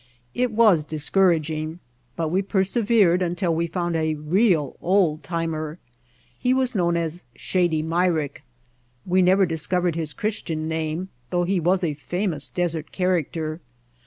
It was discouraging, but we persevered until we found a real old timer. He was known as Shady Myrick. We never discovered his Christian name though he was a famous desert character.